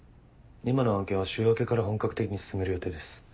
今の案件は週明けから本格的に進める予定です。